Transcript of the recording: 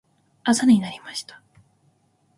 朝になりました。